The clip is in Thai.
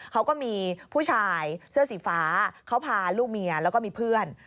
เขาก็มีผู้ชายเสื้อสีฟ้าเขาพาลูกเมียแล้วก็มีเพื่อน